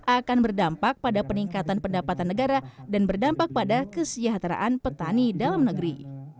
akan berdampak pada peningkatan pendapatan negara dan berdampak pada kesejahteraan petani dalam negeri